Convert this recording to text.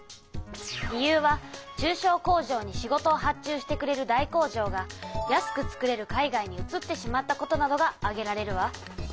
理由は中小工場に仕事を発注してくれる大工場が安く作れる海外にうつってしまったことなどが挙げられるわ。